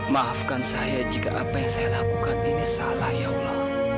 maafkan saya jika apa yang saya lakukan ini salah ya allah